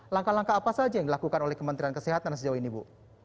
langkah langkah apa saja yang dilakukan oleh kementerian kesehatan sejauh ini bu